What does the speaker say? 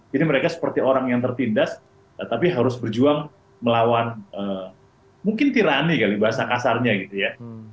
jadi mereka seperti orang yang tertindas tapi harus berjuang melawan mungkin tirani kali bahasa kasarnya gitu ya